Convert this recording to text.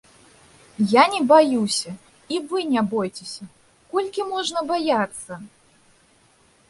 Я не баюся, і вы не бойцеся, колькі можна баяцца?